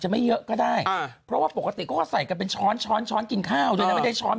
ไม่เยอะใส่แต่ไว้